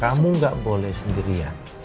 kamu gak boleh sendirian